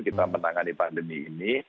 kita menangani pandemi ini